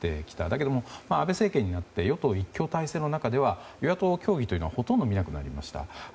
だけども安倍政権になって与党一強体制の中では与野党協議というのはほとんど見なくなりました。